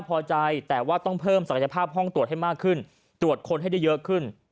พอใจแต่ว่าต้องเพิ่มศักยภาพห้องตรวจให้มากขึ้นตรวจคนให้ได้เยอะขึ้น